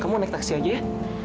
kamu naik taksi aja ya